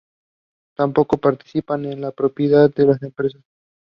I would use the word feminist to describe my father.